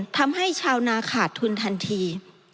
ทำให้ชาวนาขาดทุนทันที